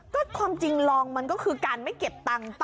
ก็ความจริงลองมันก็คือการไม่เก็บตังค์